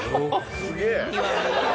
すげえ！